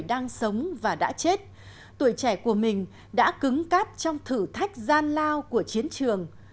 đang sống và đã chết tuổi trẻ của mình đã cứng cắp trong thử thách gian lao của chiến trường